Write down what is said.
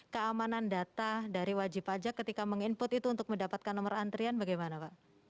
keamanan data dari wajib pajak ketika meng input itu untuk mendapatkan nomor antrian bagaimana pak